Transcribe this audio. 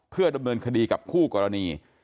เพื่อดำเนินคดีกับคู่กรณี